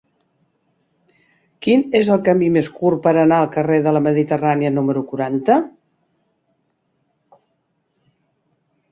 Quin és el camí més curt per anar al carrer de la Mediterrània número quaranta?